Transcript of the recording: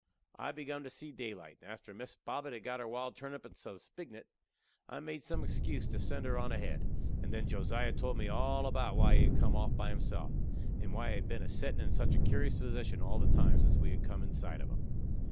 I begun to see daylight, and after Miss Bobbet had got her wild turnip and some spignut, I made some excuse to send her on ahead, and then Josiah told me all about why he had gone off by himself alone, and why he had been a settin' in such a curious position all the time since we had come in sight of him.